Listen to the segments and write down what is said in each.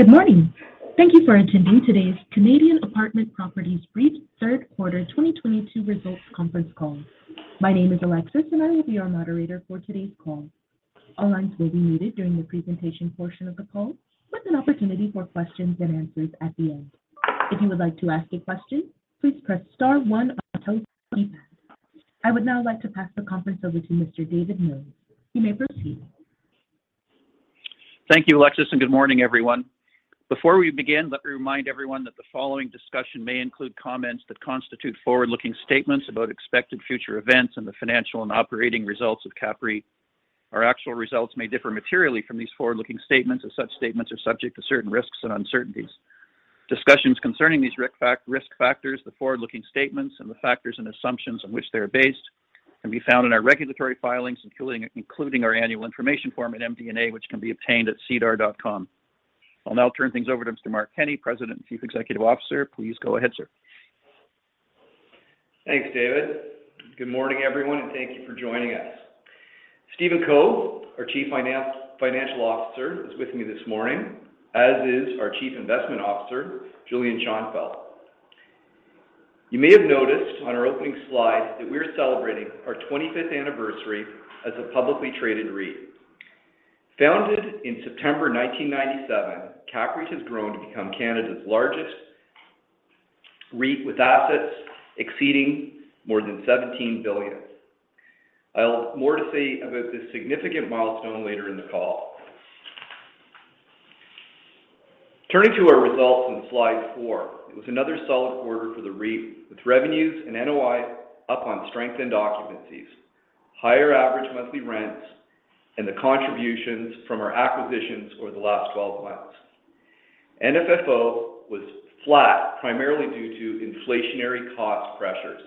Good morning. Thank you for attending today's Canadian Apartment Properties REIT's Third Quarter 2022 results conference call. My name is Alexis, and I will be your moderator for today's call. All lines will be muted during the presentation portion of the call with an opportunity for questions and answers at the end. If you would like to ask a question, please press star one on your keypad. I would now like to pass the conference over to Mr. David Mills. You may proceed. Thank you, Alexis, and good morning, everyone. Before we begin, let me remind everyone that the following discussion may include comments that constitute forward-looking statements about expected future events and the financial and operating results of CAPREIT. Our actual results may differ materially from these forward-looking statements, and such statements are subject to certain risks and uncertainties. Discussions concerning these risk factors, the forward-looking statements, and the factors and assumptions on which they are based can be found in our regulatory filings, including our annual information form and MD&A, which can be obtained at SEDAR.com. I'll now turn things over to Mr. Mark Kenney, President and Chief Executive Officer. Please go ahead, sir. Thanks, David. Good morning, everyone, and thank you for joining us. Stephen Co, our Chief Financial Officer, is with me this morning, as is our Chief Investment Officer, Julian Schonfeldt. You may have noticed on our opening slide that we're celebrating our 25th anniversary as a publicly traded REIT. Founded in September 1997, CAPREIT has grown to become Canada's largest REIT with assets exceeding more than 17 billion. I'll have more to say about this significant milestone later in the call. Turning to our results on slide four, it was another solid quarter for the REIT, with revenues and NOI up on strengthened occupancies, higher average monthly rents, and the contributions from our acquisitions over the last 12 months. FFO was flat, primarily due to inflationary cost pressures.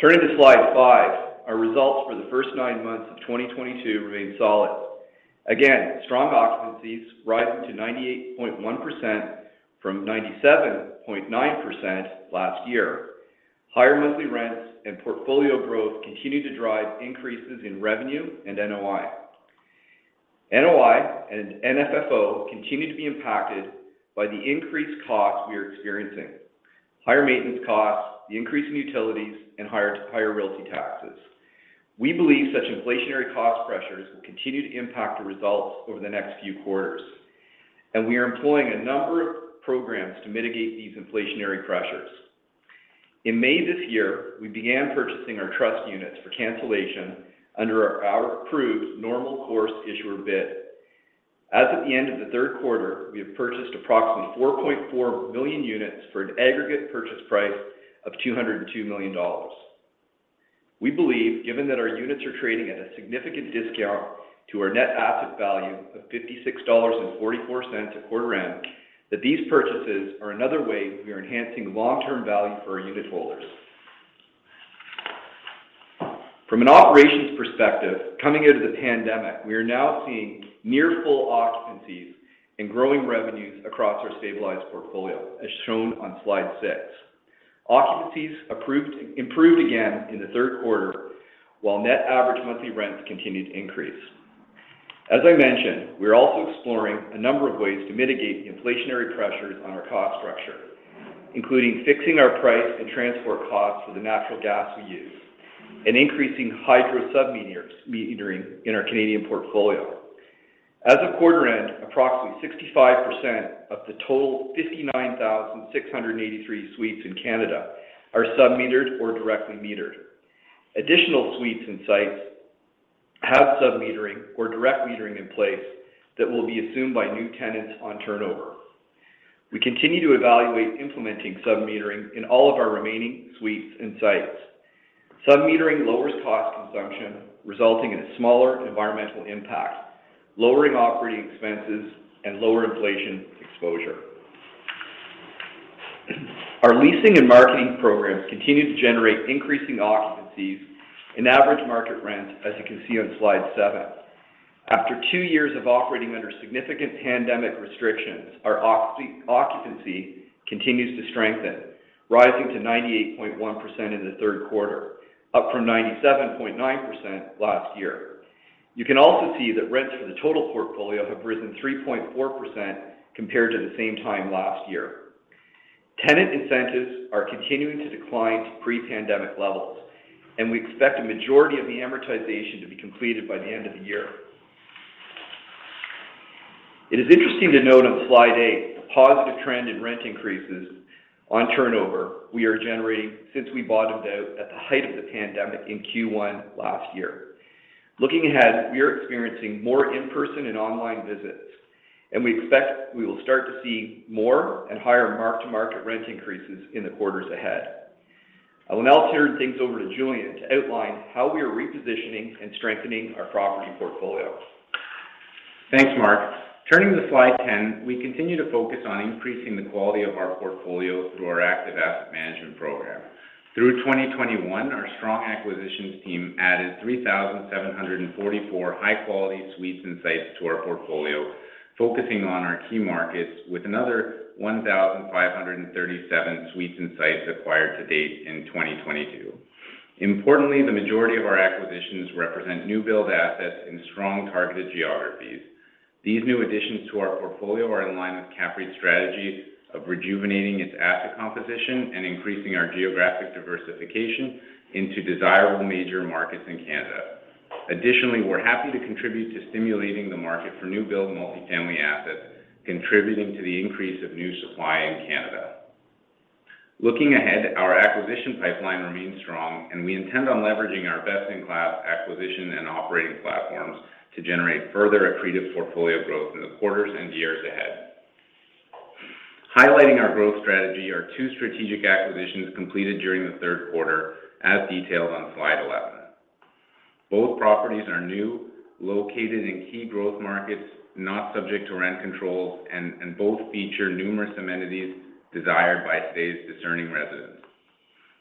Turning to slide five, our results for the first nine months of 2022 remain solid. Again, strong occupancies rising to 98.1% from 97.9% last year. Higher monthly rents and portfolio growth continued to drive increases in revenue and NOI. NOI and FFO continued to be impacted by the increased costs we are experiencing. Higher maintenance costs, the increase in utilities, and higher realty taxes. We believe such inflationary cost pressures will continue to impact the results over the next few quarters, and we are employing a number of programs to mitigate these inflationary pressures. In May this year, we began purchasing our trust units for cancellation under our approved normal course issuer bid. As of the end of the third quarter, we have purchased approximately 4.4 million units for an aggregate purchase price of 202 million dollars. We believe, given that our units are trading at a significant discount to our net asset value of 56.44 dollars per unit, that these purchases are another way we are enhancing long-term value for our unit holders. From an operations perspective, coming out of the pandemic, we are now seeing near full occupancies and growing revenues across our stabilized portfolio, as shown on slide six. Occupancies improved again in the third quarter, while net average monthly rents continued to increase. As I mentioned, we are also exploring a number of ways to mitigate the inflationary pressures on our cost structure, including fixing our price and transport costs for the natural gas we use and increasing hydro sub-metering in our Canadian portfolio. As of quarter end, approximately 65% of the total 59,683 suites in Canada are sub-metered or directly metered. Additional suites and sites have sub-metering or direct metering in place that will be assumed by new tenants on turnover. We continue to evaluate implementing sub-metering in all of our remaining suites and sites. Sub-metering lowers cost consumption, resulting in a smaller environmental impact, lowering operating expenses and lower inflation exposure. Our leasing and marketing programs continue to generate increasing occupancies and average market rent, as you can see on slide seven. After two years of operating under significant pandemic restrictions, our occupancy continues to strengthen, rising to 98.1% in the third quarter, up from 97.9% last year. You can also see that rents for the total portfolio have risen 3.4% compared to the same time last year. Tenant incentives are continuing to decline to pre-pandemic levels, and we expect a majority of the amortization to be completed by the end of the year. It is interesting to note on slide eight the positive trend in rent increases on turnover we are generating since we bottomed out at the height of the pandemic in Q1 last year. Looking ahead, we are experiencing more in-person and online visits, and we expect we will start to see more and higher mark-to-market rent increases in the quarters ahead. I will now turn things over to Julian to outline how we are repositioning and strengthening our property portfolio. Thanks, Mark. Turning to slide 10, we continue to focus on increasing the quality of our portfolio through our active asset management program. Through 2021, our strong acquisitions team added 3,744 high-quality suites and sites to our portfolio, focusing on our key markets with another 1,537 suites and sites acquired to date in 2022. Importantly, the majority of our acquisitions represent new build assets in strong targeted geographies. These new additions to our portfolio are in line with CAPREIT's strategy of rejuvenating its asset composition and increasing our geographic diversification into desirable major markets in Canada. Additionally, we're happy to contribute to stimulating the market for new build multi-family assets, contributing to the increase of new supply in Canada. Looking ahead, our acquisition pipeline remains strong, and we intend on leveraging our best-in-class acquisition and operating platforms to generate further accretive portfolio growth in the quarters and years ahead. Highlighting our growth strategy are two strategic acquisitions completed during the third quarter as detailed on slide eleven. Both properties are new, located in key growth markets, not subject to rent controls, and both feature numerous amenities desired by today's discerning residents.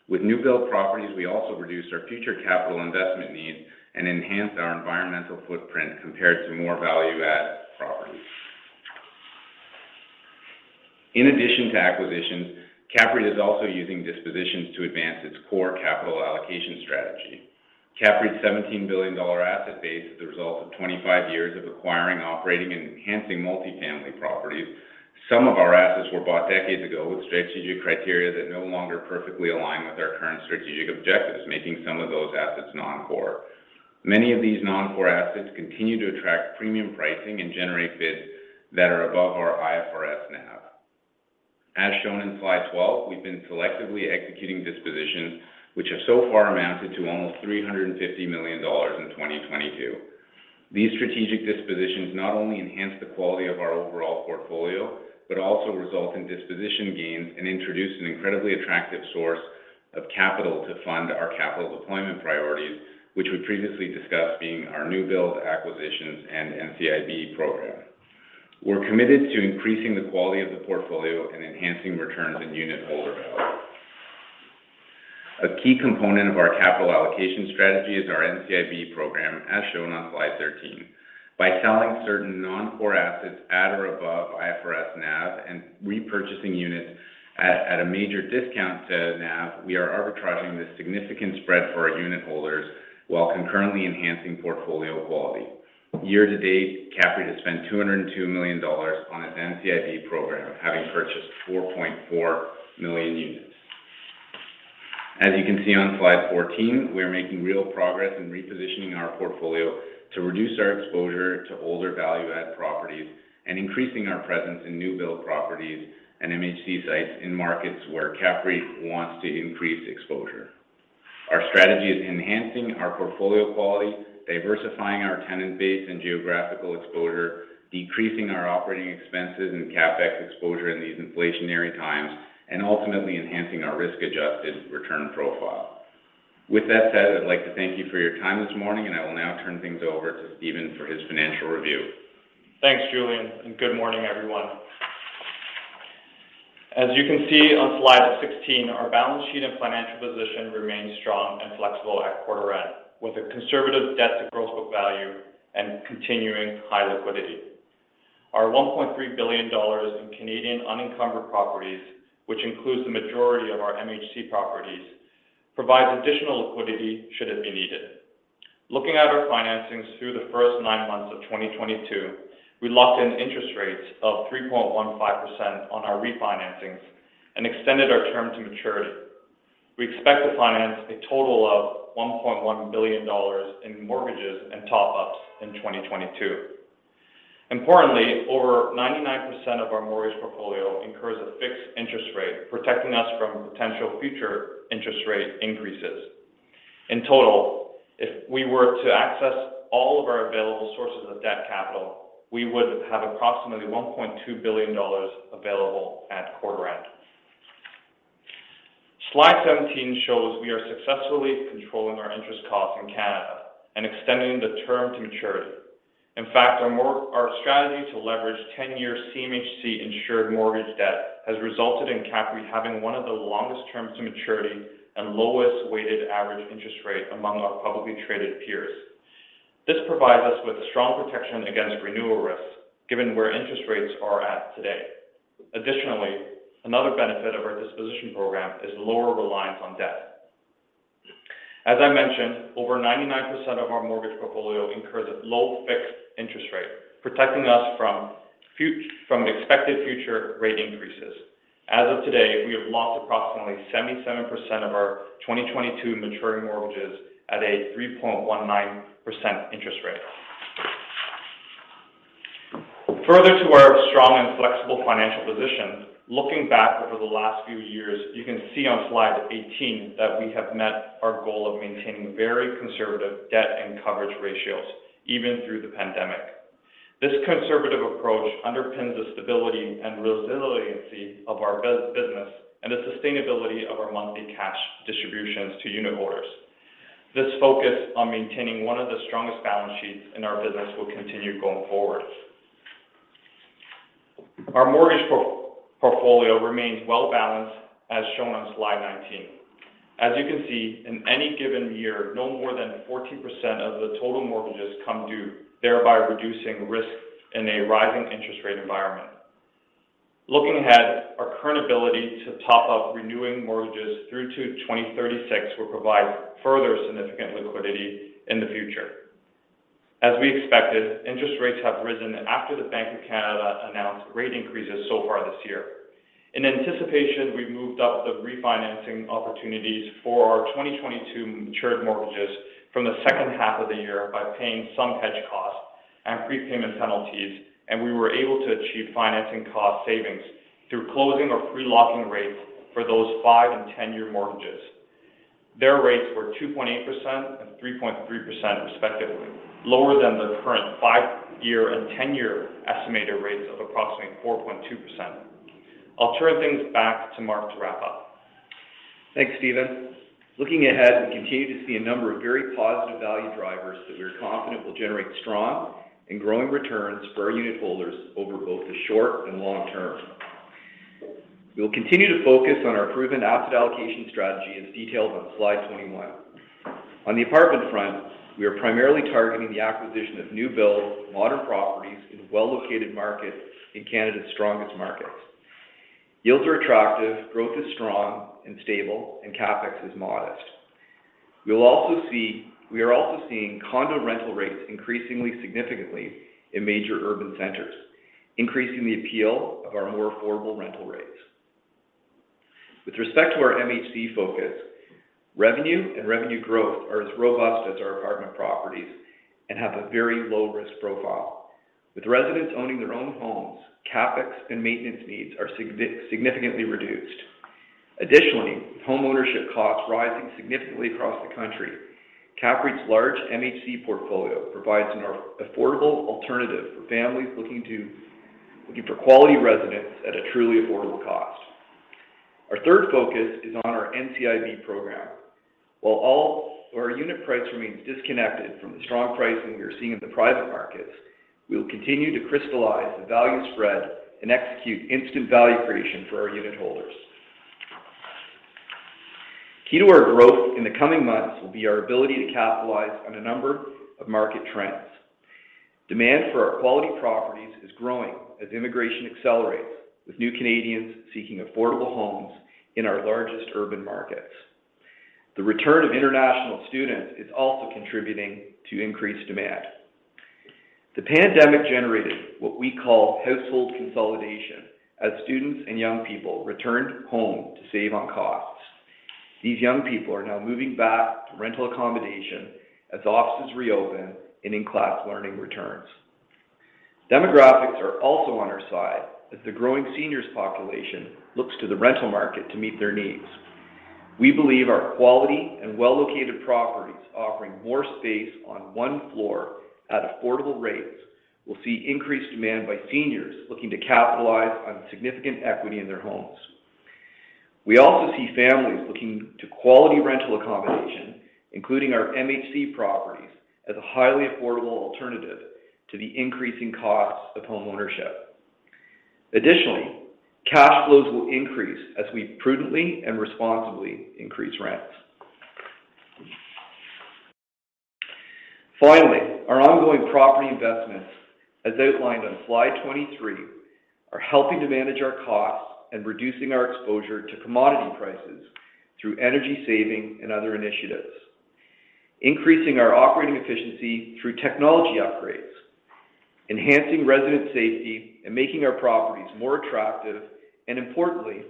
With new build properties, we also reduce our future capital investment needs and enhance our environmental footprint compared to more value-add properties. In addition to acquisitions, CAPREIT is also using dispositions to advance its core capital allocation strategy. CAPREIT's 17 billion dollar asset base is the result of 25 years of acquiring, operating, and enhancing multi-family properties. Some of our assets were bought decades ago with strategic criteria that no longer perfectly align with our current strategic objectives, making some of those assets non-core. Many of these non-core assets continue to attract premium pricing and generate bids that are above our IFRS NAV. As shown in slide 12, we've been selectively executing dispositions which have so far amounted to almost 350 million dollars in 2022. These strategic dispositions not only enhance the quality of our overall portfolio but also result in disposition gains and introduce an incredibly attractive source of capital to fund our capital deployment priorities, which we previously discussed being our new builds, acquisitions, and NCIB program. We're committed to increasing the quality of the portfolio and enhancing returns and unitholder value. A key component of our capital allocation strategy is our NCIB program, as shown on slide 13. By selling certain non-core assets at or above IFRS NAV and repurchasing units at a major discount to NAV, we are arbitraging this significant spread for our unitholders while concurrently enhancing portfolio quality. Year-to-date, CAPREIT has spent 202 million dollars on its NCIB program, having purchased 4.4 million units. As you can see on slide 14, we are making real progress in repositioning our portfolio to reduce our exposure to older value-add properties and increasing our presence in new build properties and MHC sites in markets where CAPREIT wants to increase exposure. Our strategy is enhancing our portfolio quality, diversifying our tenant base and geographical exposure, decreasing our operating expenses and CapEx exposure in these inflationary times, and ultimately enhancing our risk-adjusted return profile. With that said, I'd like to thank you for your time this morning, and I will now turn things over to Stephen for his financial review. Thanks, Julian, and good morning, everyone. As you can see on slide 16, our balance sheet and financial position remain strong and flexible at quarter end, with a conservative debt to gross book value and continuing high liquidity. Our 1.3 billion dollars in Canadian unencumbered properties, which includes the majority of our MHC properties, provides additional liquidity should it be needed. Looking at our financings through the first nine months of 2022, we locked in interest rates of 3.15% on our refinancings and extended our term to maturity. We expect to finance a total of 1.1 billion dollars in mortgages and top-ups in 2022. Importantly, over 99% of our mortgage portfolio incurs a fixed interest rate, protecting us from potential future interest rate increases. In total, if we were to access all of our available sources of debt capital, we would have approximately 1.2 billion dollars available at quarter end. Slide 17 shows we are successfully controlling our interest costs in Canada and extending the term to maturity. In fact, our strategy to leverage 10-year CMHC insured mortgage debt has resulted in CAPREIT having one of the longest terms to maturity and lowest weighted average interest rate among our publicly traded peers. This provides us with strong protection against renewal risks, given where interest rates are at today. Additionally, another benefit of our disposition program is lower reliance on debt. As I mentioned, over 99% of our mortgage portfolio incurs a low fixed interest rate, protecting us from expected future rate increases. As of today, we have locked approximately 77% of our 2022 maturing mortgages at a 3.19% interest rate. Further to our strong and flexible financial position, looking back over the last few years, you can see on slide 18 that we have met our goal of maintaining very conservative debt and coverage ratios, even through the pandemic. This conservative approach underpins the stability and resiliency of our business and the sustainability of our monthly cash distributions to unit holders. This focus on maintaining one of the strongest balance sheets in our business will continue going forward. Our mortgage portfolio remains well-balanced, as shown on slide 19. As you can see, in any given year, no more than 14% of the total mortgages come due, thereby reducing risk in a rising interest rate environment. Looking ahead, our current ability to top up renewing mortgages through to 2036 will provide further significant liquidity in the future. As we expected, interest rates have risen after the Bank of Canada announced rate increases so far this year. In anticipation, we moved up the refinancing opportunities for our 2022 matured mortgages from the second half of the year by paying some hedge costs and prepayment penalties, and we were able to achieve financing cost savings through closing our pre-locking rates for those 5- and 10-year mortgages. Their rates were 2.8% and 3.3% respectively, lower than the current five-year and 10-year estimated rates of approximately 4.2%. I'll turn things back to Mark to wrap up. Thanks, Stephen. Looking ahead, we continue to see a number of very positive value drivers that we are confident will generate strong and growing returns for our unit holders over both the short and long term. We will continue to focus on our proven asset allocation strategy as detailed on slide 21. On the apartment front, we are primarily targeting the acquisition of new build, modern properties in well-located markets in Canada's strongest markets. Yields are attractive, growth is strong and stable, and CapEx is modest. We are also seeing condo rental rates increasing significantly in major urban centers, increasing the appeal of our more affordable rental rates. With respect to our MHC focus, revenue and revenue growth are as robust as our apartment properties and have a very low risk profile. With residents owning their own homes, CapEx and maintenance needs are significantly reduced. Additionally, with home ownership costs rising significantly across the country, CAPREIT's large MHC portfolio provides an affordable alternative for families looking for quality residence at a truly affordable cost. Our third focus is on our NCIB program. While our unit price remains disconnected from the strong pricing we are seeing in the private markets, we will continue to crystallize the value spread and execute instant value creation for our unit holders. Key to our growth in the coming months will be our ability to capitalize on a number of market trends. Demand for our quality properties is growing as immigration accelerates, with new Canadians seeking affordable homes in our largest urban markets. The return of international students is also contributing to increased demand. The pandemic generated what we call household consolidation as students and young people returned home to save on costs. These young people are now moving back to rental accommodation as offices reopen and in-class learning returns. Demographics are also on our side as the growing seniors population looks to the rental market to meet their needs. We believe our quality and well-located properties offering more space on one floor at affordable rates will see increased demand by seniors looking to capitalize on significant equity in their homes. We also see families looking to quality rental accommodation, including our MHC properties, as a highly affordable alternative to the increasing costs of home ownership. Additionally, cash flows will increase as we prudently and responsibly increase rents. Finally, our ongoing property investments, as outlined on slide 23, are helping to manage our costs and reducing our exposure to commodity prices through energy saving and other initiatives, increasing our operating efficiency through technology upgrades, enhancing resident safety and making our properties more attractive, and importantly,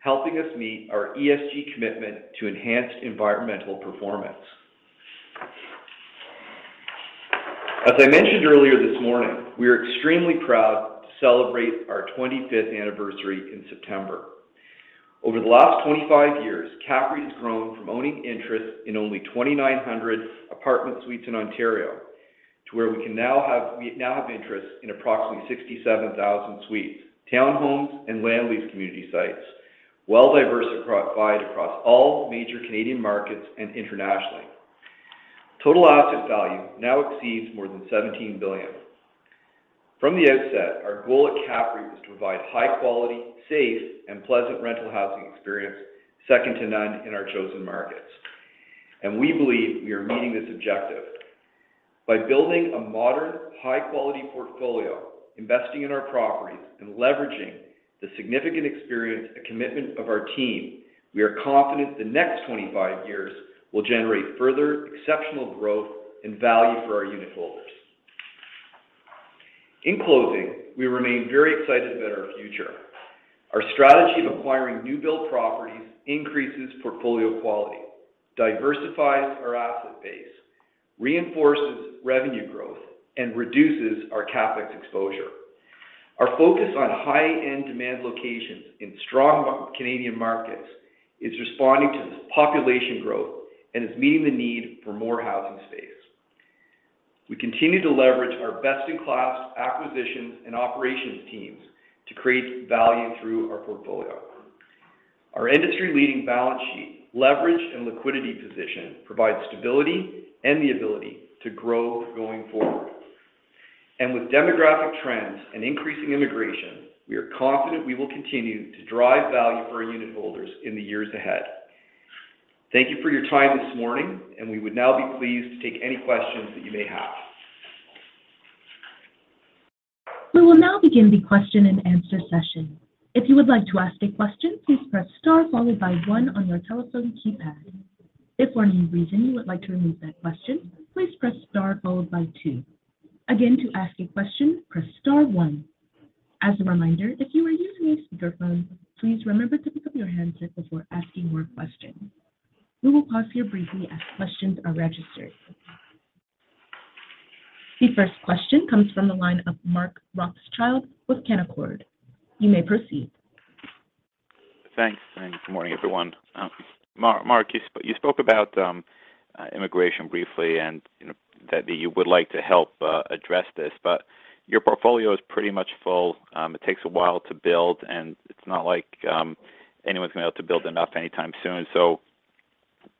helping us meet our ESG commitment to enhanced environmental performance. As I mentioned earlier this morning, we are extremely proud to celebrate our 25th anniversary in September. Over the last 25 years, CAPREIT has grown from owning interest in only 2,900 apartment suites in Ontario to where we now have interest in approximately 67,000 suites, townhomes, and land lease community sites, well diversified across all major Canadian markets and internationally. Total asset value now exceeds more than 17 billion. From the outset, our goal at CAPREIT was to provide high quality, safe, and pleasant rental housing experience second to none in our chosen markets, and we believe we are meeting this objective. By building a modern, high quality portfolio, investing in our properties, and leveraging the significant experience and commitment of our team, we are confident the next 25 years will generate further exceptional growth and value for our unit holders. In closing, we remain very excited about our future. Our strategy of acquiring new build properties increases portfolio quality, diversifies our asset base, reinforces revenue growth, and reduces our CapEx exposure. Our focus on high-end demand locations in strong Canadian markets is responding to this population growth and is meeting the need for more housing space. We continue to leverage our best-in-class acquisitions and operations teams to create value through our portfolio. Our industry-leading balance sheet, leverage, and liquidity position provides stability and the ability to grow going forward. With demographic trends and increasing immigration, we are confident we will continue to drive value for our unit holders in the years ahead. Thank you for your time this morning, and we would now be pleased to take any questions that you may have. We will now begin the question and answer session. If you would like to ask a question, please press star followed by one on your telephone keypad. If for any reason you would like to remove that question, please press star followed by two. Again, to ask a question, press star one. As a reminder, if you are using a speakerphone, please remember to pick up your handset before asking your question. We will pause here briefly as questions are registered. The first question comes from the line of Mark Rothschild with Canaccord Genuity. You may proceed. Thanks, good morning, everyone. Mark, you spoke about immigration briefly and, you know, that you would like to help address this, but your portfolio is pretty much full. It takes a while to build, and it's not like anyone's gonna be able to build enough anytime soon.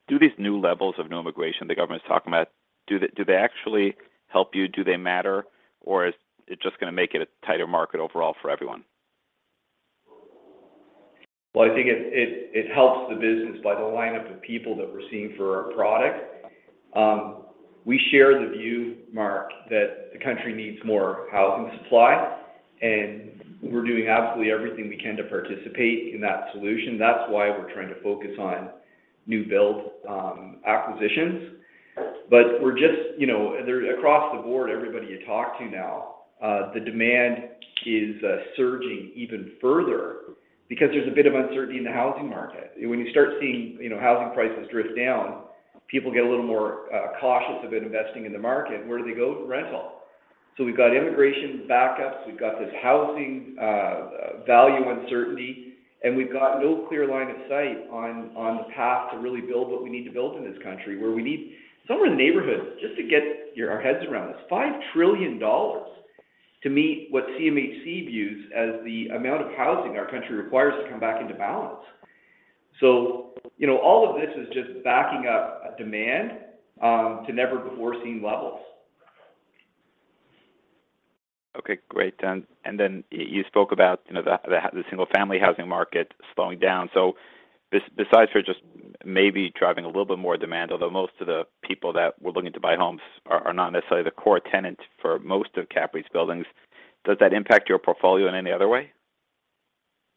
Do these new levels of new immigration the government's talking about, do they actually help you? Do they matter, or is it just gonna make it a tighter market overall for everyone? Well, I think it helps the business by the lineup of people that we're seeing for our product. We share the view, Mark, that the country needs more housing supply, and we're doing absolutely everything we can to participate in that solution. That's why we're trying to focus on new build acquisitions. But we're just, you know. Across the board, everybody you talk to now, the demand is surging even further because there's a bit of uncertainty in the housing market. When you start seeing, you know, housing prices drift down, people get a little more cautious about investing in the market. Where do they go? Rental. We've got immigration backups, we've got this housing value uncertainty, and we've got no clear line of sight on the path to really build what we need to build in this country, where we need somewhere in the neighborhood just to get our heads around this, 5 trillion dollars to meet what CMHC views as the amount of housing our country requires to come back into balance. You know, all of this is just backing up demand to never-before-seen levels. Okay, great. Then you spoke about, you know, the single-family housing market slowing down. Besides for just maybe driving a little bit more demand, although most of the people that we're looking to buy homes are not necessarily the core tenant for most of CAPREIT's buildings, does that impact your portfolio in any other way?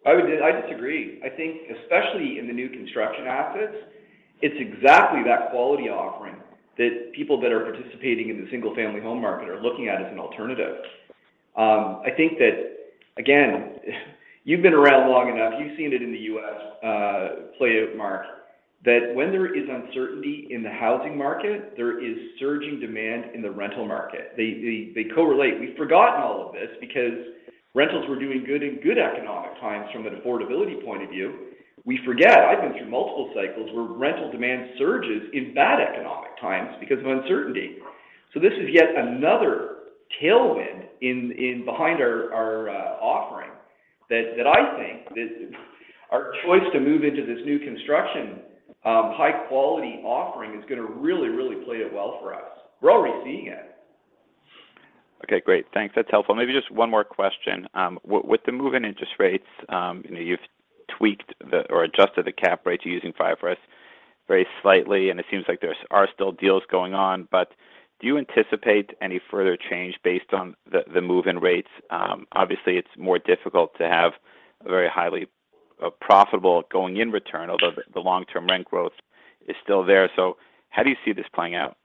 I disagree. I think especially in the new construction assets, it's exactly that quality offering that people that are participating in the single-family home market are looking at as an alternative. I think that, again, you've been around long enough, you've seen it in the U.S., play out, Mark, that when there is uncertainty in the housing market, there is surging demand in the rental market. They correlate. We've forgotten all of this because rentals were doing good in good economic times from an affordability point of view. We forget, I've been through multiple cycles, where rental demand surges in bad economic times because of uncertainty. This is yet another tailwind behind our offering that I think our choice to move into this new construction high-quality offering is gonna really play out well for us. We're already seeing it. Okay, great. Thanks. That's helpful. Maybe just one more question. With the move in interest rates, you know, you've adjusted the cap rates you're using for IFRS very slightly, and it seems like there are still deals going on. But do you anticipate any further change based on the move in rates? Obviously, it's more difficult to have a very highly profitable going-in return, although the long-term rent growth is still there. How do you see this playing out?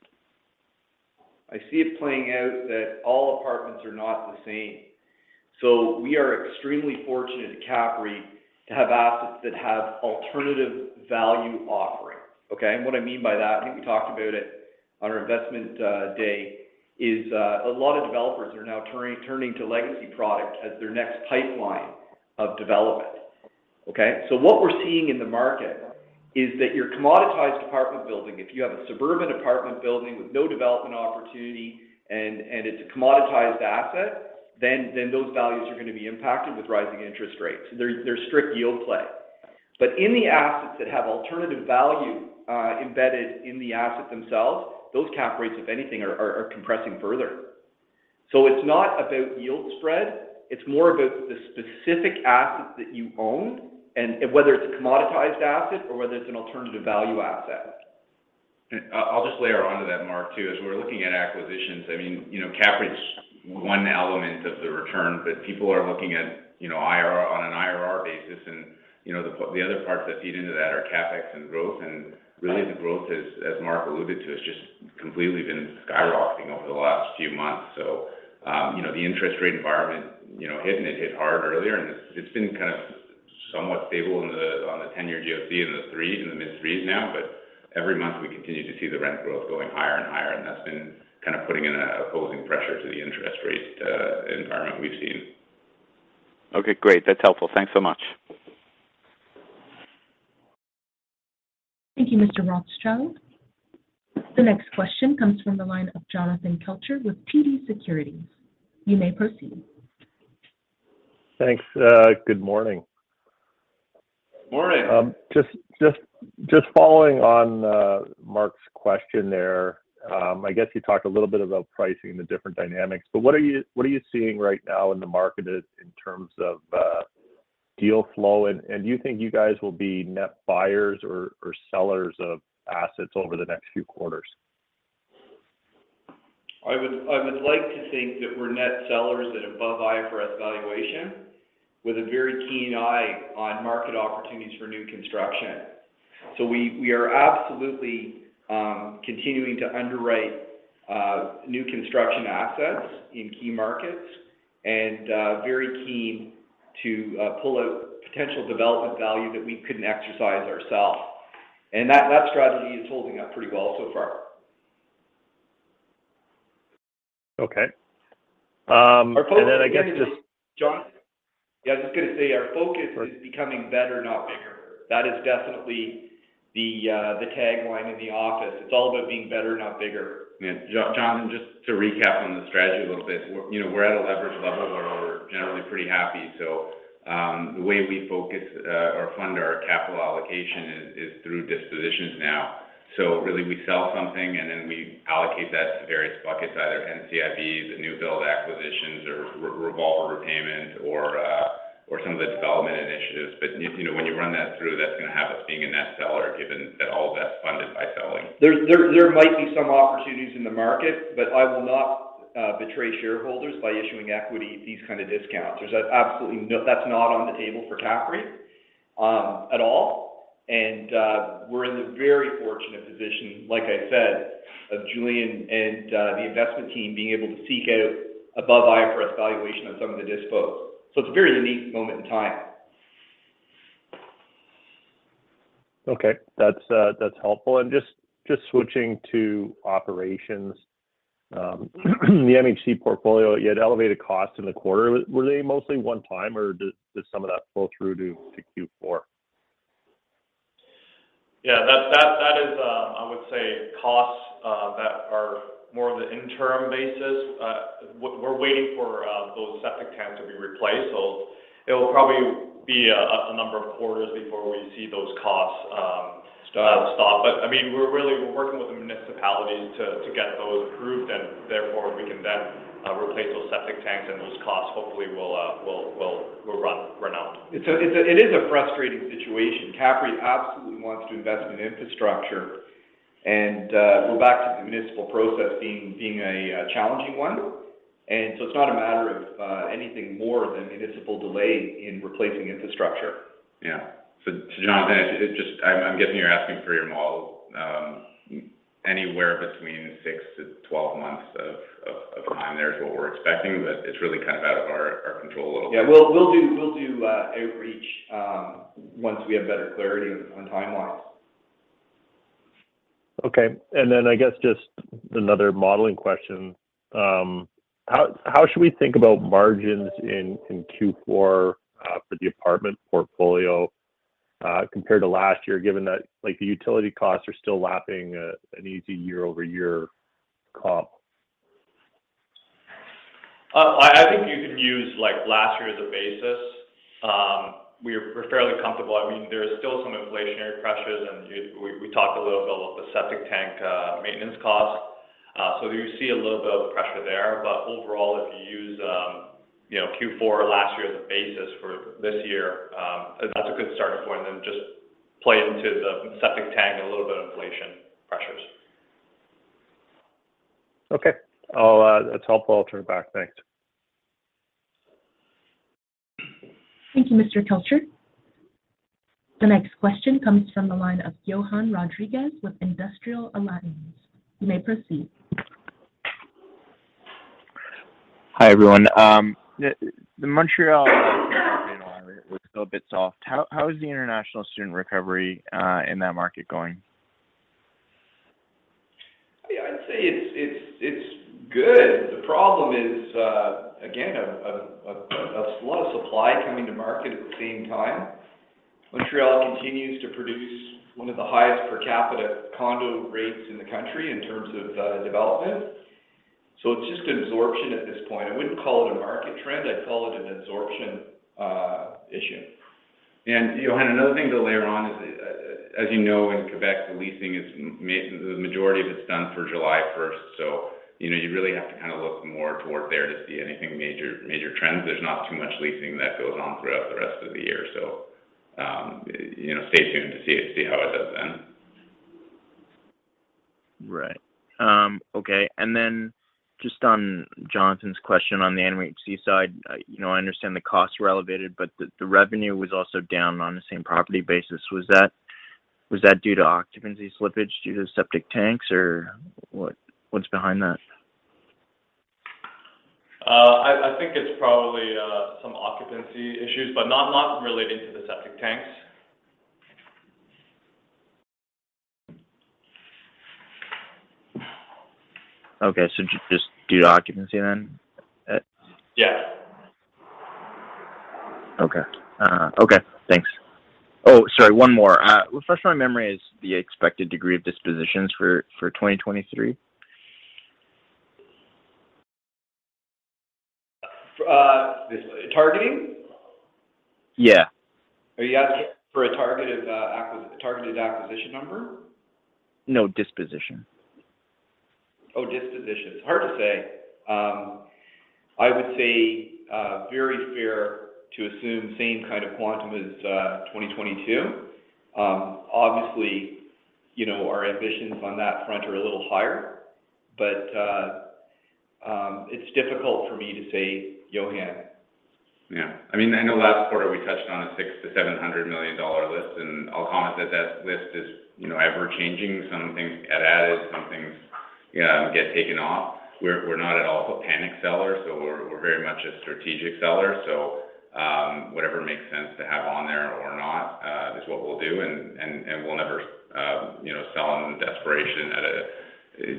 I see it playing out that all apartments are not the same. We are extremely fortunate at CAPREIT to have assets that have alternative value offerings, okay? What I mean by that, I think we talked about it on our investment day, is a lot of developers are now turning to legacy product as their next pipeline of development, okay? What we're seeing in the market is that your commoditized apartment building, if you have a suburban apartment building with no development opportunity and it's a commoditized asset, then those values are gonna be impacted with rising interest rates. They're strict yield play. In the assets that have alternative value embedded in the asset themselves, those cap rates, if anything, are compressing further. It's not about yield spread, it's more about the specific assets that you own and whether it's a commoditized asset or whether it's an alternative value asset. I'll just layer onto that, Mark, too. As we're looking at acquisitions, I mean, you know, CAPREIT's one element of the return, but people are looking at, you know, IRR, on an IRR basis. You know, the other parts that feed into that are CapEx and growth. Really the growth is, as Mark alluded to, has just completely been skyrocketing over the last few months. The interest rate environment, you know, hit, and it hit hard earlier, and it's been kind of somewhat stable on the 10-year GOC and the 3s, in the mid-3s now. Every month, we continue to see the rent growth going higher and higher, and that's been kind of putting an opposing pressure to the interest rate environment we've seen. Okay, great. That's helpful. Thanks so much. Thank you, Mr. Rothschild. The next question comes from the line of Jonathan Kelcher with TD Securities. You may proceed. Thanks. Good morning. Morning. Just following on Mark's question there. I guess you talked a little bit about pricing and the different dynamics, but what are you seeing right now in the market in terms of deal flow? Do you think you guys will be net buyers or sellers of assets over the next few quarters? I would like to think that we're net sellers at above IFRS valuation with a very keen eye on market opportunities for new construction. We are absolutely continuing to underwrite new construction assets in key markets and very keen to pull out potential development value that we couldn't exercise ourselves. That strategy is holding up pretty well so far. Okay. I guess just. Jonathan? Yeah, I was just gonna say, our focus is becoming better, not bigger. That is definitely the tagline in the office. It's all about being better, not bigger. Yeah. Jonathan, just to recap on the strategy a little bit. We're, you know, at a leverage level where we're generally pretty happy. The way we focus or fund our capital allocation is through dispositions now. Really we sell something, and then we allocate that to various buckets, either NCIBs or new build acquisitions or revolver repayment or some of the development initiatives. If, you know, when you run that through, that's gonna have us being a net seller given that all of that's funded by selling. There might be some opportunities in the market, but I will not betray shareholders by issuing equity at these kind of discounts. There's absolutely no. That's not on the table for CAPREIT at all. We're in the very fortunate position, like I said, of Julian and the investment team being able to seek out above IFRS valuation on some of the dispositions. It's a very unique moment in time. Okay. That's helpful. Just switching to operations. The MHC portfolio, you had elevated costs in the quarter. Were they mostly one time, or does some of that flow through to Q4? Yeah. That is, I would say costs that are more of the interim basis. We're waiting for those septic tanks to be replaced. It will probably be a number of quarters before we see those costs. Stop I mean, we're working with the municipalities to get those approved, and therefore, we can then replace those septic tanks, and those costs hopefully will run out. It is a frustrating situation. CAPREIT absolutely wants to invest in infrastructure and go back to the municipal process being a challenging one. It's not a matter of anything more than municipal delay in replacing infrastructure. Jonathan, it just. I'm guessing you're asking for your model, anywhere between 6-12 months of time there is what we're expecting, but it's really kind of out of our control a little bit. Yeah. We'll do outreach once we have better clarity on timelines. Okay. I guess just another modeling question. How should we think about margins in Q4 for the apartment portfolio compared to last year, given that like the utility costs are still lapping an easy year-over-year comp? I think you can use, like, last year as a basis. We're fairly comfortable. I mean, there is still some inflationary pressures, and we talked a little bit about the septic tank maintenance cost. You see a little bit of pressure there. Overall, if you use, you know, Q4 last year as a basis for this year, that's a good starting point, and then just play into the septic tank and a little bit of inflation pressures. Okay. That's helpful. I'll turn it back. Thanks. Thank you, Jonathan Kelcher. The next question comes from the line of Johann Rodrigues with Industrial Alliance. You may proceed. Hi, everyone. The Montreal market was still a bit soft. How is the international student recovery in that market going? Yeah, I'd say it's good. The problem is, again, a slow supply coming to market at the same time. Montreal continues to produce one of the highest per capita condo rates in the country in terms of development. It's just absorption at this point. I wouldn't call it a market trend. I'd call it an absorption issue. Johan, another thing to layer on is, as you know, in Quebec, the majority of it's done for July first. You know, you really have to kind of look more toward there to see any major trends. There's not too much leasing that goes on throughout the rest of the year. You know, stay tuned to see how it does then. Right. Okay. Just on Jonathan's question on the MHC side, you know, I understand the costs were elevated, but the revenue was also down on the same property basis. Was that due to occupancy slippage due to septic tanks, or what's behind that? I think it's probably some occupancy issues, but not relating to the septic tanks. Okay. Just due to occupancy then? Yeah. Okay, thanks. Oh, sorry, one more. Refresh my memory: is the expected degree of dispositions for 2023? Targeting? Yeah. Are you asking for a targeted acquisition number? No, disposition. Oh, dispositions. Hard to say. I would say very fair to assume same kind of quantum as 2022. Obviously, you know, our ambitions on that front are a little higher, but it's difficult for me to say, Johann. Yeah. I mean, I know last quarter we touched on a 600 million-700 million dollar list, and I'll comment that that list is, you know, ever-changing. Some things get added, some things get taken off. We're not at all a panic seller, so we're very much a strategic seller. Whatever makes sense to have on there or not is what we'll do and we'll never, you know, sell in desperation at a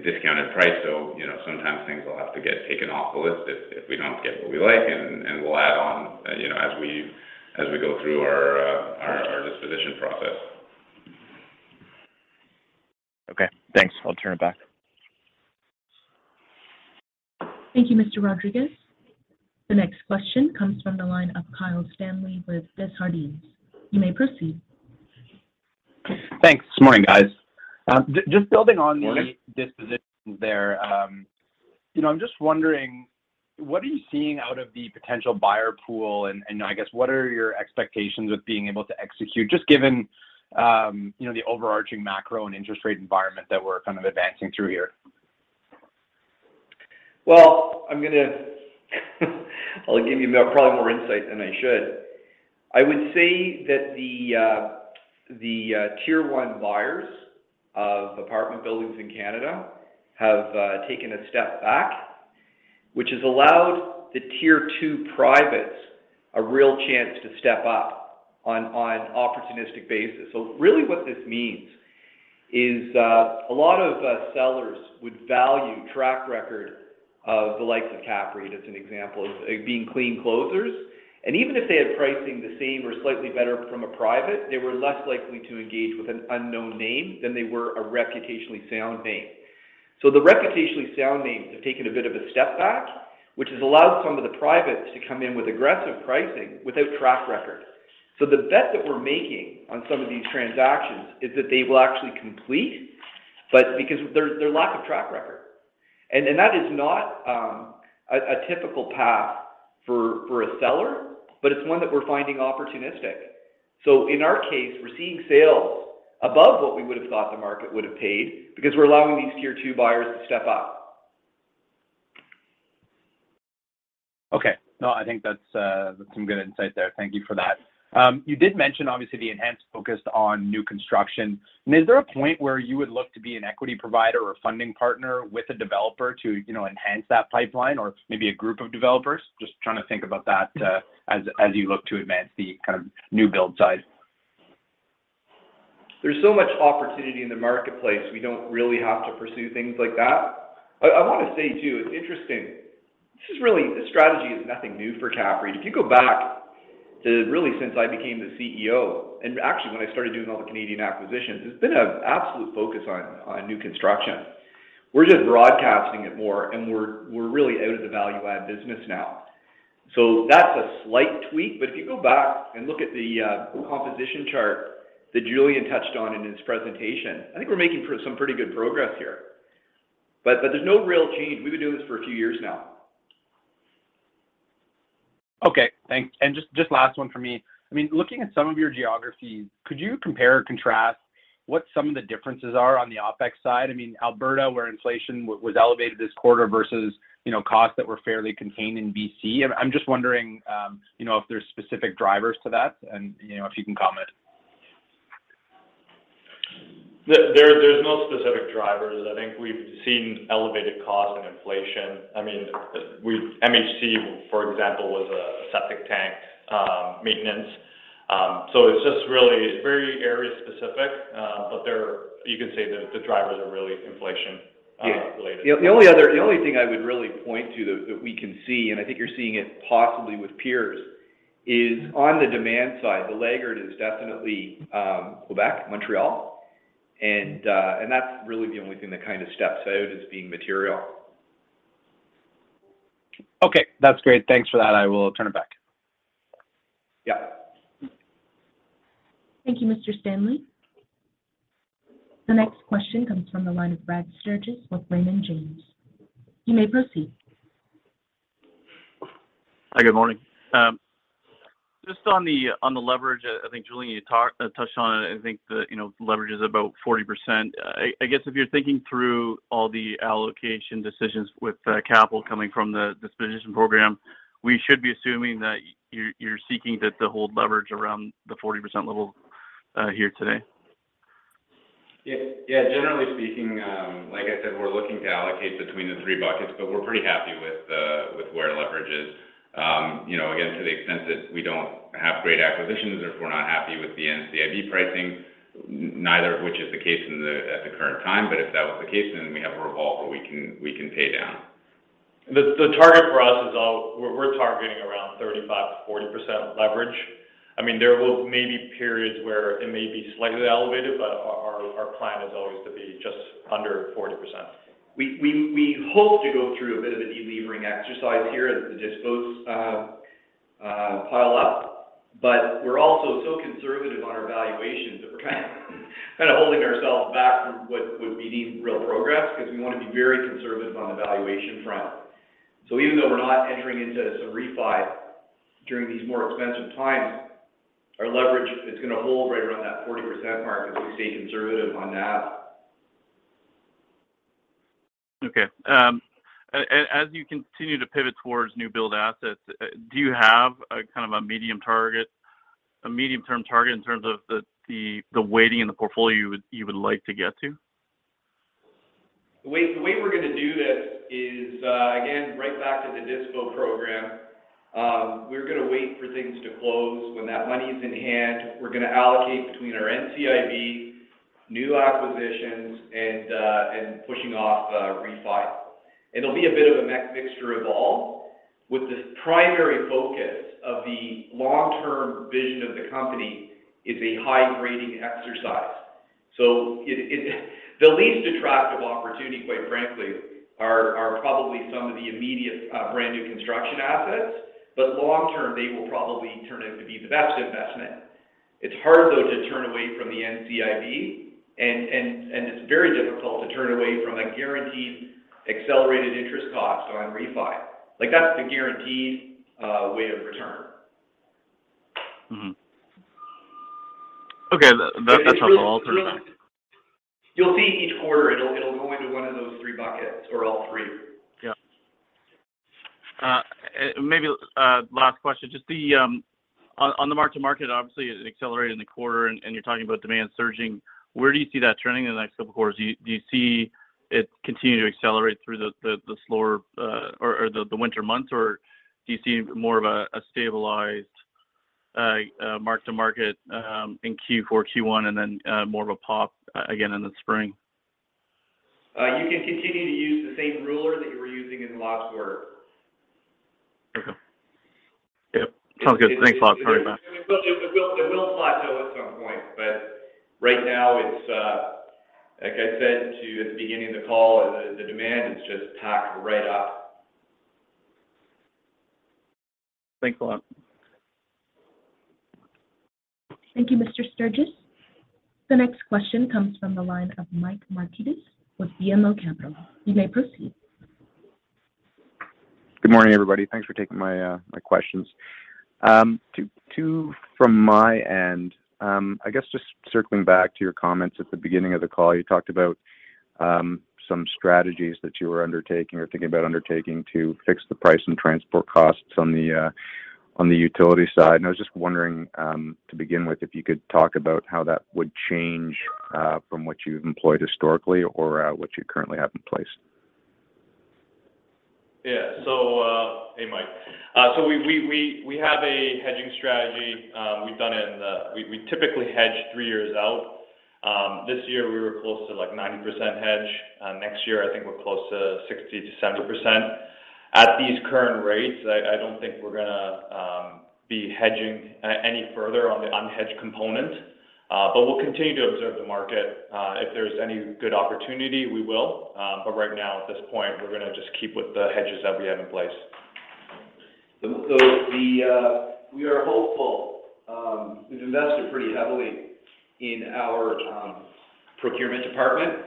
discounted price. You know, sometimes things will have to get taken off the list if we don't get what we like. We'll add on, you know, as we go through our disposition process. Okay. Thanks. I'll turn it back. Thank you, Mr. Rodrigues. The next question comes from the line of Kyle Stanley with Desjardins. You may proceed. Thanks. Morning, guys. Just building on the Morning. dispositions there, you know, I'm just wondering, what are you seeing out of the potential buyer pool? I guess, what are your expectations with being able to execute, just given, you know, the overarching macro and interest rate environment that we're kind of advancing through here? Well, I'll give you probably more insight than I should. I would say that the tier one buyers of apartment buildings in Canada have taken a step back, which has allowed the tier two privates a real chance to step up on opportunistic basis. Really what this means is, a lot of sellers would value track record of the likes of CAPREIT, as an example, as being clean closers. Even if they had pricing the same or slightly better from a private, they were less likely to engage with an unknown name than they were a reputationally sound name. The reputationally sound names have taken a bit of a step back, which has allowed some of the privates to come in with aggressive pricing without track record. The bet that we're making on some of these transactions is that they will actually complete, but because their lack of track record that is not a typical path for a seller, but it's one that we're finding opportunistic. In our case, we're seeing sales above what we would have thought the market would have paid because we're allowing these tier two buyers to step up. Okay. No, I think that's some good insight there. Thank you for that. You did mention obviously the enhanced focus on new construction. Is there a point where you would look to be an equity provider or funding partner with a developer to, you know, enhance that pipeline or maybe a group of developers? Just trying to think about that, as you look to advance the kind of new build side. There's so much opportunity in the marketplace. We don't really have to pursue things like that. I wanna say, too, it's interesting. This strategy is nothing new for CAPREIT. If you go back to really since I became the CEO, and actually when I started doing all the Canadian acquisitions, there's been an absolute focus on new construction. We're just broadcasting it more, and we're really out of the value add business now. That's a slight tweak. If you go back and look at the composition chart that Julian touched on in his presentation, I think we're making some pretty good progress here. There's no real change. We've been doing this for a few years now. Okay. Thanks. Just last one for me. I mean, looking at some of your geographies, could you compare or contrast what some of the differences are on the OpEx side? I mean, Alberta, where inflation was elevated this quarter versus, you know, costs that were fairly contained in BC. I'm just wondering, you know, if there's specific drivers to that and, you know, if you can comment. There's no specific drivers. I think we've seen elevated costs and inflation. I mean, MHC, for example, was a septic tank maintenance. It's just really very area specific. You can say the drivers are really inflation related. Yeah. The only thing I would really point to that we can see, and I think you're seeing it possibly with peers, is on the demand side, the laggard is definitely Quebec, Montreal. That's really the only thing that kind of steps out as being material. Okay. That's great. Thanks for that. I will turn it back. Yeah. Thank you, Mr. Stanley. The next question comes from the line of Brad Sturges with Raymond James. You may proceed. Hi, good morning. Just on the leverage, I think Julian, you touched on it. I think, you know, leverage is about 40%. I guess if you're thinking through all the allocation decisions with capital coming from the disposition program, we should be assuming that you're seeking to hold leverage around the 40% level, here today. Yeah. Generally speaking, like I said, we're looking to allocate between the three buckets, but we're pretty happy with where leverage is. You know, again, to the extent that we don't have great acquisitions, therefore not happy with the NCIB pricing, neither of which is the case at the current time. If that was the case, then we have a revolver where we can pay down. We're targeting around 35%-40% leverage. I mean, there may be periods where it may be slightly elevated, but our plan is always to be just under 40%. We hope to go through a bit of a de-levering exercise here as the dispos pile up. We're also so conservative on our valuations that we're kind of holding ourselves back from what would be deemed real progress because we want to be very conservative on the valuation front. Even though we're not entering into some refi during these more expensive times, our leverage is going to hold right around that 40% mark as we stay conservative on that. As you continue to pivot towards new build assets, do you have a kind of a medium-term target in terms of the weighting in the portfolio you would like to get to? The way we're going to do this is, again, right back to the DISPO program. We're going to wait for things to close. When that money is in hand, we're going to allocate between our NCIB, new acquisitions, and pushing off refi. It'll be a bit of a mixture of all with the primary focus of the long-term vision of the company is a high-grading exercise. The least attractive opportunity, quite frankly, are probably some of the immediate brand new construction assets. Long term, they will probably turn out to be the best investment. It's hard, though, to turn away from the NCIB and it's very difficult to turn away from a guaranteed accelerated interest cost on refi. Like, that's the guaranteed way of return. Okay. That's helpful. I'll turn it back. You'll see each quarter, it'll go into one of those three buckets or all three. Yeah. Maybe last question. Just on the mark-to-market, obviously, it accelerated in the quarter and you're talking about demand surging. Where do you see that turning in the next couple of quarters? Do you see it continue to accelerate through the slower or the winter months? Or do you see more of a stabilized mark-to-market in Q4, Q1, and then more of a pop again in the spring? You can continue to use the same ruler that you were using in the last quarter. Okay. Yep. Sounds good. Thanks a lot. Turning it back. It will flatten out at some point, but right now it's like I said to you at the beginning of the call, the demand is just packed right up. Thanks a lot. Thank you, Mr. Sturges. The next question comes from the line of Mike Markidis with BMO Capital Markets. You may proceed. Good morning, everybody. Thanks for taking my questions. Two from my end. I guess just circling back to your comments at the beginning of the call, you talked about some strategies that you were undertaking or thinking about undertaking to fix the price and transport costs on the utility side. I was just wondering, to begin with, if you could talk about how that would change from what you've employed historically or what you currently have in place. Yeah. Hey, Mike. We have a hedging strategy. We typically hedge three years out. This year we were close to, like, 90% hedge. Next year I think we're close to 60%-70%. At these current rates, I don't think we're gonna be hedging any further on the unhedged component. We'll continue to observe the market. If there's any good opportunity, we will. Right now at this point, we're gonna just keep with the hedges that we have in place. We are hopeful. We've invested pretty heavily in our procurement department,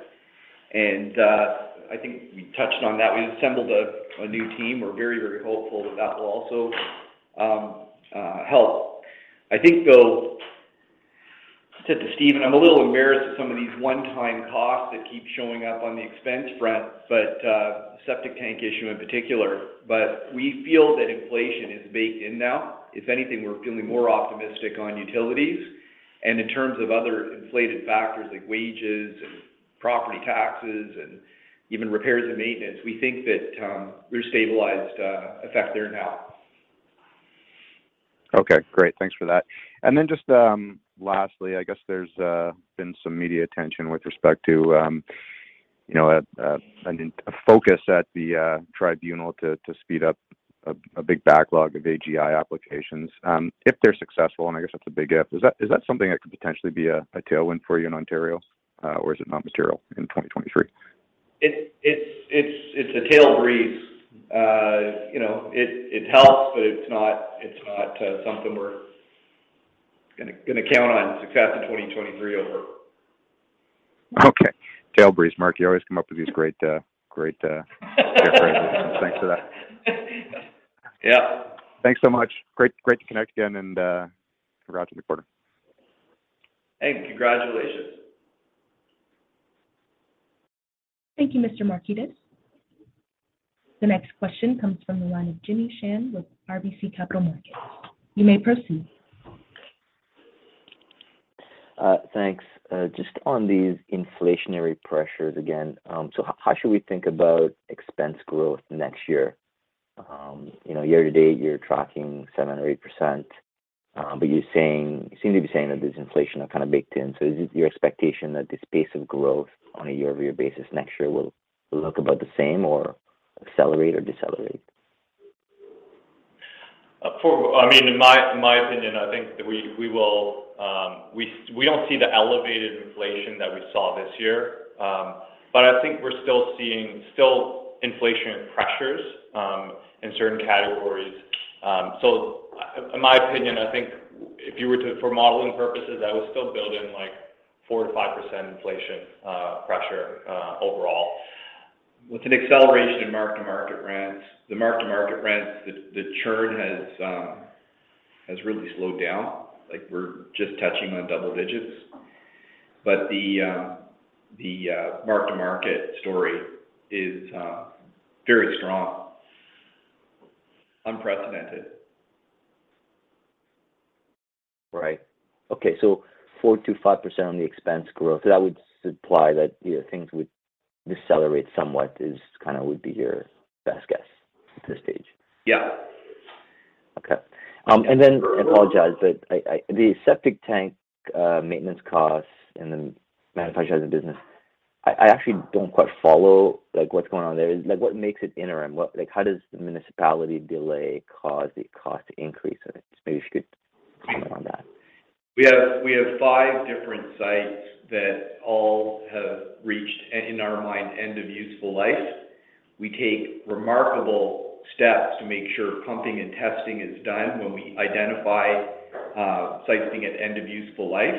and I think we touched on that. We've assembled a new team. We're very hopeful that that will also help. I think, though, I said to Stephen, I'm a little embarrassed at some of these one-time costs that keep showing up on the expense front, but, septic tank issue in particular. We feel that inflation is baked in now. If anything, we're feeling more optimistic on utilities. In terms of other inflated factors like wages and property taxes and even repairs and maintenance, we think that we're stabilized effect there now. Okay, great. Thanks for that. Just lastly, I guess there's been some media attention with respect to you know a focus at the tribunal to speed up a big backlog of AGI applications. If they're successful, and I guess that's a big if, is that something that could potentially be a tailwind for you in Ontario? Is it not material in 2023? It's a tailwind. You know, it helps, but it's not something we're gonna count on success in 2023 over. Okay. Tailwinds. Mark, you always come up with these great phrases. Thanks for that. Yeah. Thanks so much. Great to connect again and, congrats on the quarter. Thank you. Congratulations. Thank you, Mr. Markidis. The next question comes from the line of Jimmy Shan with RBC Capital Markets. You may proceed. Thanks. Just on these inflationary pressures again. How should we think about expense growth next year? You know, year-to-date, you're tracking 7% or 8%. You're saying you seem to be saying that this inflation are kind of baked in. Is it your expectation that this pace of growth on a year-over-year basis next year will look about the same or accelerate or decelerate? I mean, in my opinion, I think we will. We don't see the elevated inflation that we saw this year. I think we're still seeing inflation pressures in certain categories. In my opinion, I think for modeling purposes, I would still build in, like, 4%-5% inflation pressure overall with an acceleration in mark-to-market rents. The mark-to-market rents, the churn has really slowed down. Like, we're just touching on double digits. The mark-to-market story is very strong. Unprecedented. Right. Okay. 4%-5% on the expense growth. That would imply that, you know, things would decelerate somewhat. Is kinda would be your best guess at this stage. Yeah. I apologize, but the septic tank maintenance costs and the manufactured housing business, I actually don't quite follow, like, what's going on there. Like, what makes it interim? Like, how does the municipality delay cause the cost increase? Maybe if you could comment on that. We have five different sites that all have reached, in our mind, end of useful life. We take remarkable steps to make sure pumping and testing is done when we identify sites being at end of useful life,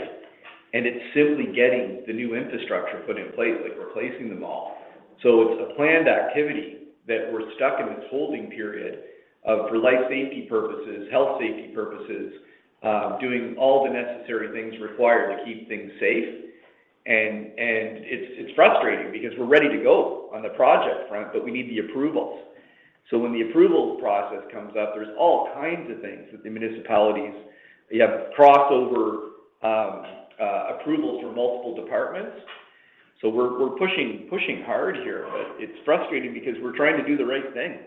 and it's simply getting the new infrastructure put in place, like replacing them all. It's a planned activity that we're stuck in this holding period of for life safety purposes, health safety purposes, doing all the necessary things required to keep things safe. It's frustrating because we're ready to go on the project front, but we need the approvals. When the approvals process comes up, there's all kinds of things that the municipalities. You have crossover approvals from multiple departments. We're pushing hard here, but it's frustrating because we're trying to do the right thing.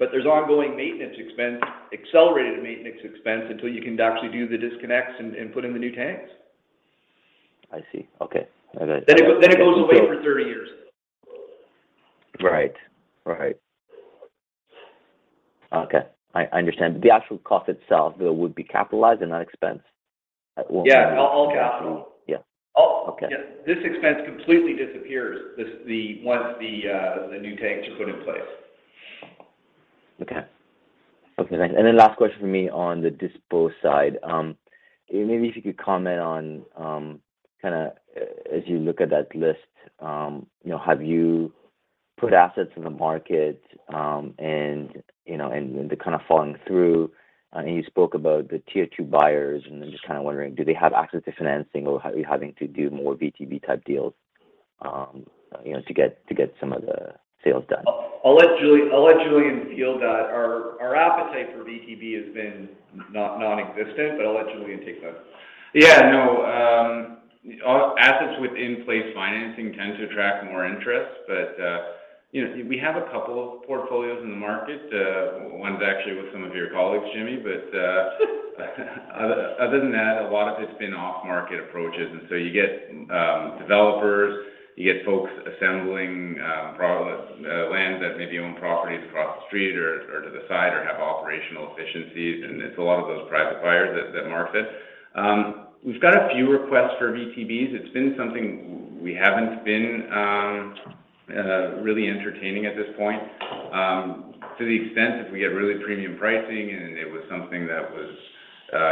there's ongoing maintenance expense, accelerated maintenance expense until you can actually do the disconnects and put in the new tanks. I see. Okay. I got you. It goes away for 30 years. Right. Okay. I understand. The actual cost itself, though, would be capitalized and not expensed at one point. Yeah. All capital. Yeah. Okay. Yeah. This expense completely disappears once the new tanks are put in place. Okay. Okay, thanks. Last question from me on the dispose side. Maybe if you could comment on, kinda as you look at that list, you know, have you put assets in the market, and you know they're kinda falling through? You spoke about the tier two buyers, and I'm just kinda wondering, do they have access to financing, or are you having to do more VTB-type deals, you know, to get some of the sales done? I'll let Julian field that. Our appetite for VTB has been nonexistent, but I'll let Julian take that. Yeah, no, assets with in-place financing tend to attract more interest. You know, we have a couple of portfolios in the market. One's actually with some of your colleagues, Jimmy. Other than that, a lot of it's been off-market approaches. You get developers, you get folks assembling land that they may own properties across the street or to the side or have operational efficiencies, and it's a lot of those private buyers that target this. We've got a few requests for VTBs. It's been something we haven't been really entertaining at this point. To the extent if we get really premium pricing and it was something that was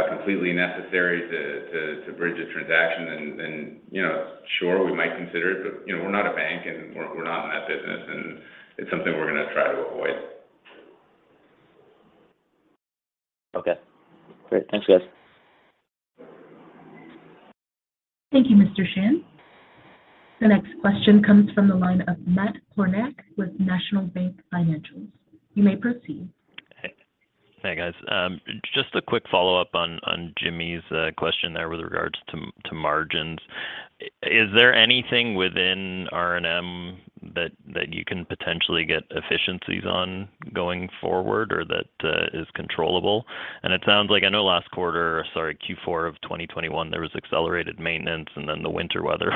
completely necessary to bridge a transaction, then you know, sure, we might consider it. you know, we're not a bank, and we're not in that business, and it's something we're gonna try to avoid. Okay. Great. Thanks, guys. Thank you, Jimmy Shan. The next question comes from the line of Matt Kornack with National Bank Financial. You may proceed. Hey. Hey, guys. Just a quick follow-up on Jimmy's question there with regards to margins. Is there anything within R&M that you can potentially get efficiencies on going forward or that is controllable? It sounds like, I know, Q4 of 2021, there was accelerated maintenance, and then the winter weather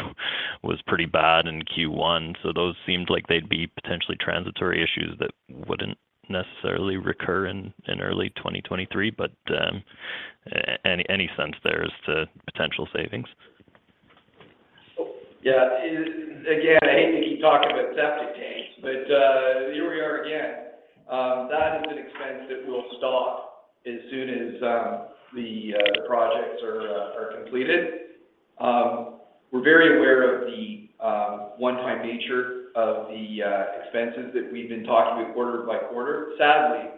was pretty bad in Q1. Those seemed like they'd be potentially transitory issues that wouldn't necessarily recur in early 2023. Any sense there as to potential savings? Yeah. It is. Again, I hate to keep talking about septic tanks, but here we are again. That is an expense that will stop as soon as the projects are completed. We're very aware of the one-time nature of the expenses that we've been talking about quarter by quarter. Sadly,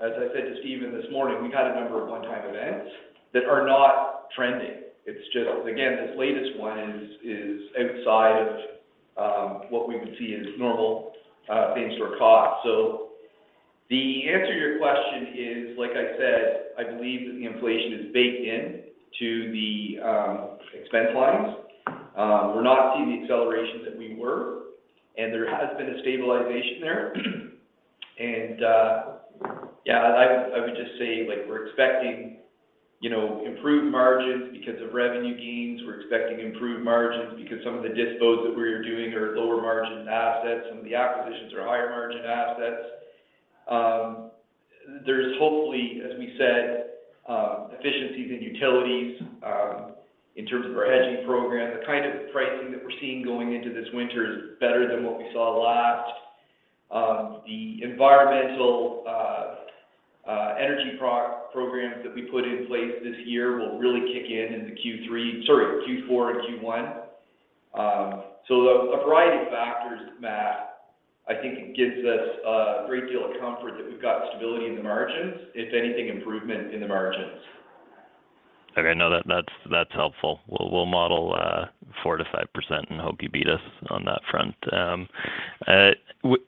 as I said to Stephen this morning, we've had a number of one-time events that are not trending. It's just, again, this latest one is outside of what we would see as normal things for a cost. So the answer to your question is, like I said, I believe that the inflation is baked into the expense lines. We're not seeing the acceleration that we were, and there has been a stabilization there. Yeah, I would just say, like, we're expecting, you know, improved margins because of revenue gains. We're expecting improved margins because some of the dispos that we're doing are lower margin assets. Some of the acquisitions are higher margin assets. There's hopefully, as we said, efficiencies in utilities, in terms of our hedging program. The kind of pricing that we're seeing going into this winter is better than what we saw last. The environmental energy programs that we put in place this year will really kick in in the Q4 and Q1. A variety of factors, Matt, I think gives us a great deal of comfort that we've got stability in the margins. If anything, improvement in the margins. Okay. No, that's helpful. We'll model 4%-5% and hope you beat us on that front.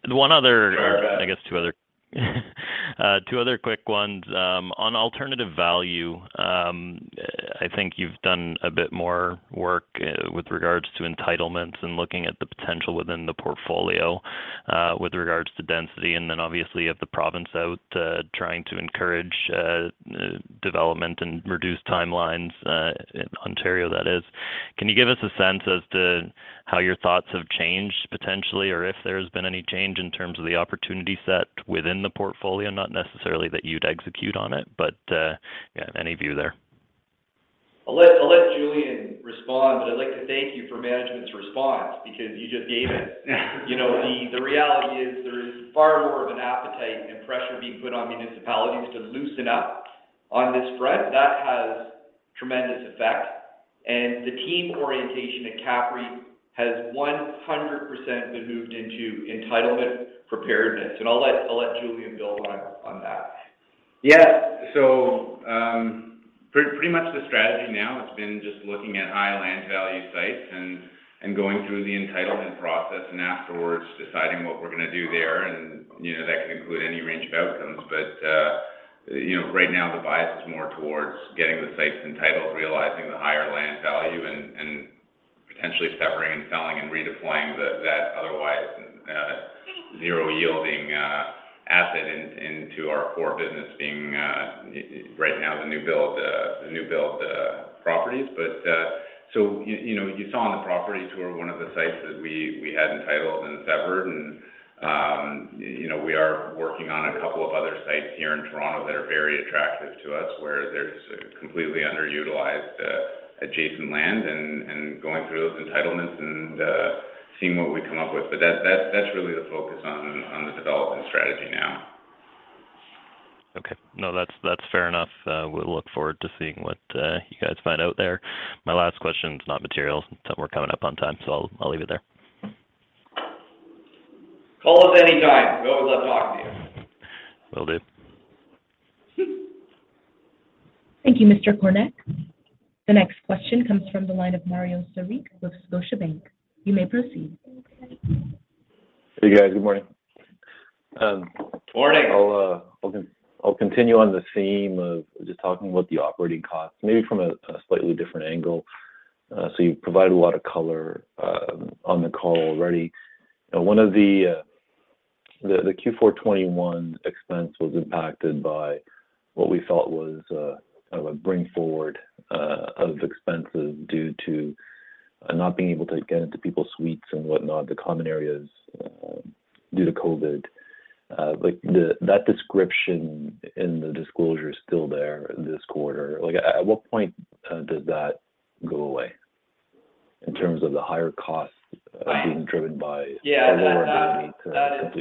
One other- Sure. I guess two other quick ones. On alternative value, I think you've done a bit more work, with regards to entitlements and looking at the potential within the portfolio, with regards to density, and then obviously you have the province out, trying to encourage development and reduce timelines, in Ontario, that is. Can you give us a sense as to how your thoughts have changed potentially, or if there's been any change in terms of the opportunity set within the portfolio? Not necessarily that you'd execute on it, but, yeah, any view there. I'll let Julian respond, but I'd like to thank you for management's response because you just gave it. You know, the reality is there is far more of an appetite and pressure being put on municipalities to loosen up on this front. That has tremendous effect. The team orientation at CAPREIT has 100% been moved into entitlement preparedness. I'll let Julian build on that. Yeah. Pretty much the strategy now has been just looking at high land value sites and going through the entitlement process, and afterwards deciding what we're gonna do there. You know, that can include any range of outcomes. Right now the bias is more towards getting the sites entitled, realizing the higher land value, and potentially separating and selling and redeploying that otherwise zero-yielding asset into our core business being right now the new build properties. You know, you saw on the property tour one of the sites that we had entitled and severed. You know, we are working on a couple of other sites here in Toronto that are very attractive to us, where there's completely underutilized adjacent land and going through those entitlements and seeing what we come up with. That's really the focus on the development strategy now. Okay. No, that's fair enough. We'll look forward to seeing what you guys find out there. My last question is not material, but we're coming up on time, so I'll leave it there. Call us any time. We always love talking to you. Will do. Thank you, Mr. Kornack. The next question comes from the line of Mario Saric with Scotiabank. You may proceed. Hey, guys. Good morning. Morning. I'll continue on the theme of just talking about the operating costs, maybe from a slightly different angle. You've provided a lot of color on the call already. One of the Q4 2021 expense was impacted by what we thought was kind of a bring forward of expenses due to not being able to get into people's suites and whatnot, the common areas due to COVID. That description in the disclosure is still there this quarter. Like, at what point does that go away in terms of the higher costs being driven by- Yeah. That is. The lower ability to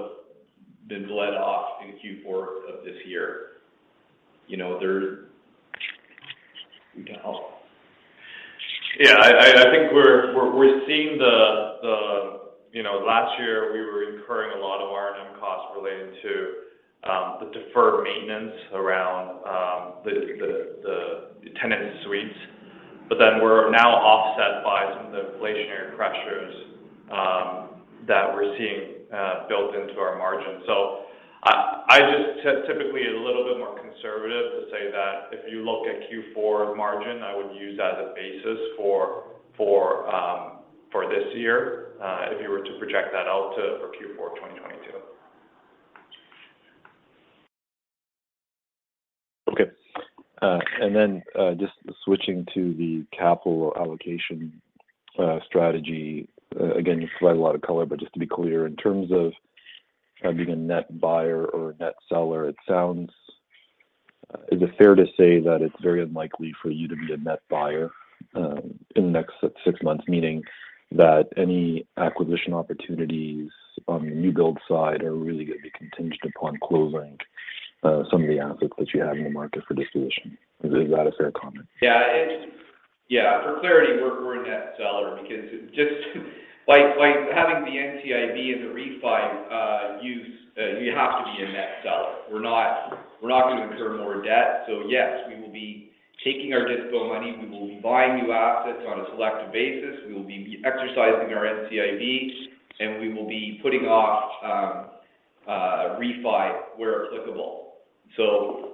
simply work? Yeah. That will have been bled off in Q4 of this year. You know, there you can help. Yeah. I think we're seeing. You know, last year we were incurring a lot of R&M costs related to the deferred maintenance around the tenant suites. We're now offset by some of the inflationary pressures that we're seeing built into our margin. I just typically a little bit more conservative to say that if you look at Q4 margin, I would use that as a basis for this year if you were to project that out to for Q4 2022. Okay. Just switching to the capital allocation strategy. Again, you provided a lot of color, but just to be clear, in terms of having a net buyer or a net seller, it sounds. Is it fair to say that it's very unlikely for you to be a net buyer in the next six months, meaning that any acquisition opportunities on the new build side are really gonna be contingent upon closing some of the assets that you have in the market for distribution? Is that a fair comment? For clarity, we're a net seller because just like having the NCIB and the refi, you have to be a net seller. We're not gonna incur more debt. Yes, we will be taking our dispo money, we will be buying new assets on a selective basis. We will be exercising our NCIB, and we will be putting off refi where applicable.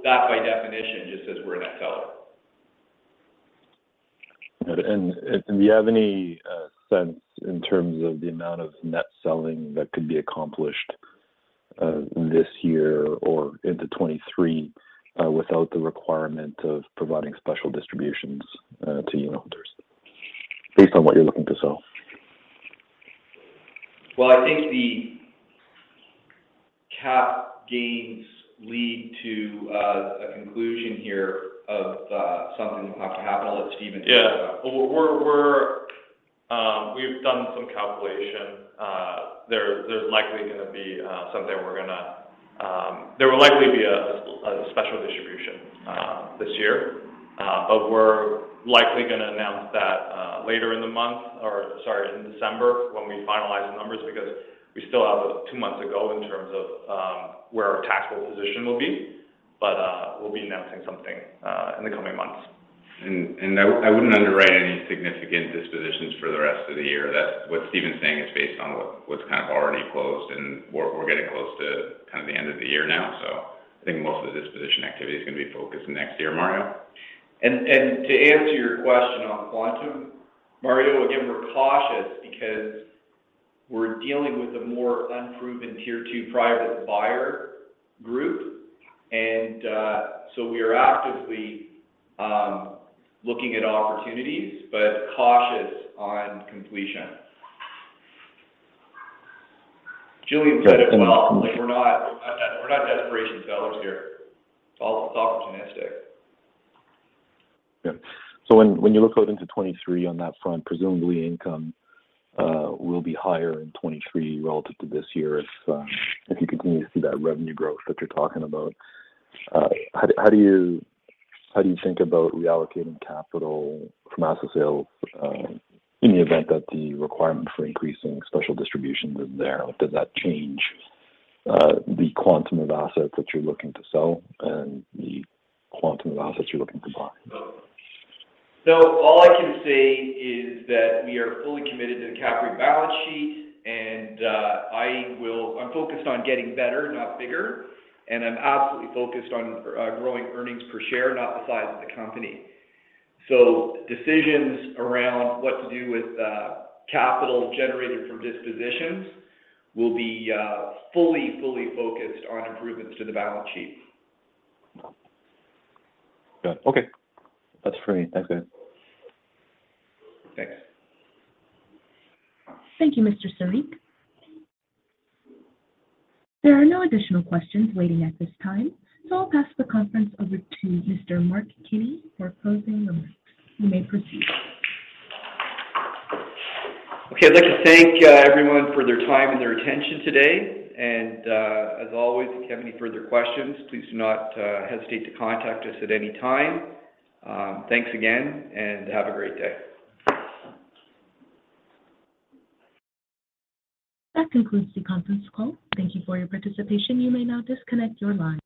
That by definition just says we're a net seller. Got it. Do you have any sense in terms of the amount of net selling that could be accomplished this year or into 2023 without the requirement of providing special distributions to unit holders? Based on what you're looking to sell. Well, I think the cap gains lead to a conclusion here of something that's about to happen. I'll let Stephen talk about that. Yeah. Well, we've done some calculation. There will likely be a special distribution this year. We're likely gonna announce that later in the month or, sorry, in December when we finalize the numbers, because we still have two months to go in terms of where our taxable position will be. We'll be announcing something in the coming months. I wouldn't underwrite any significant dispositions for the rest of the year. What Stephen's saying is based on what's kind of already closed, and we're getting close to kind of the end of the year now. I think most of the disposition activity is gonna be focused next year, Mario. To answer your question on quantum, Mario, again, we're cautious because we're dealing with a more unproven tier two private buyer group. We are actively looking at opportunities, but cautious on completion. Julian said it well. Right. Like, we're not desperation sellers here. It's all opportunistic. Yeah. When you look out into 2023 on that front, presumably income will be higher in 2023 relative to this year as you continue to see that revenue growth that you're talking about. How do you think about reallocating capital from asset sales in the event that the requirement for increasing special distributions is there? Does that change the quantum of assets that you're looking to sell and the quantum of assets you're looking to buy? All I can say is that we are fully committed to the CAPREIT balance sheet, and I'm focused on getting better, not bigger. I'm absolutely focused on growing earnings per share, not the size of the company. Decisions around what to do with capital generated from dispositions will be fully focused on improvements to the balance sheet. Got it. Okay. That's great. Thanks, guys. Thanks. Thank you, Mr. Saric. There are no additional questions waiting at this time, so I'll pass the conference over to Mr. Mark Kenney for closing remarks. You may proceed. Okay. I'd like to thank everyone for their time and their attention today. As always, if you have any further questions, please do not hesitate to contact us at any time. Thanks again, and have a great day. That concludes the conference call. Thank you for your participation. You may now disconnect your line.